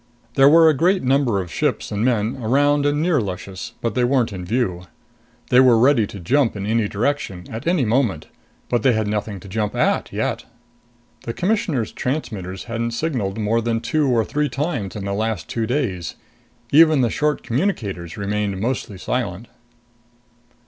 There were a great number of ships and men around and near Luscious, but they weren't in view. They were ready to jump in any direction, at any moment, but they had nothing to jump at yet. The Commissioner's transmitters hadn't signaled more than two or three times in the last two days. Even the short communicators remained mostly silent.